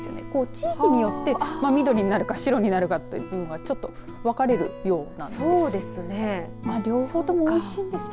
地域によって緑になるか白になるかという部分はちょっと分かれるようなんです。